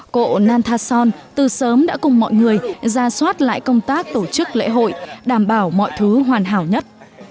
cộ nantason từ sớm đã cùng mọi người ra soát lại công tác tổ chức lễ hội đảm bảo mọi thứ hoàn hảo nhất